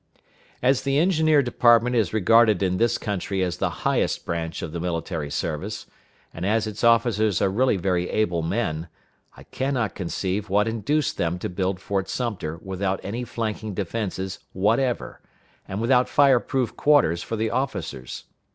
As the Engineer department is regarded in this country as the highest branch of the military service, and as its officers are really very able men, I can not conceive what induced them to build Fort Sumter without any flanking defenses whatever, and without fire proof quarters for the officers.